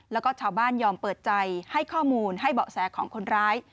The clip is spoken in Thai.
แล้วก็ชาวบ้านยอมเปิดใจให้ข้อมูลให้เบาะแสของคนร้าย